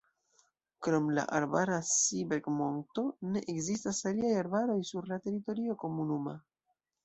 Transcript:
Krom la arbara Seeberg-monto ne ekzistas aliaj arbaroj sur la teritorio komunuma.